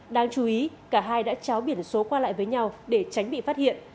đáng chú ý cả hai đã cháo biển số qua lại với nhau để tránh bị phát hiện